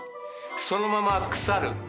そのまま腐る。